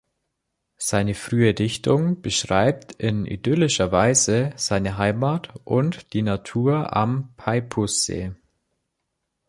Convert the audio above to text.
Seine frühe Dichtung beschreibt in idyllischer Weise seine Heimat und die Natur am Peipussee.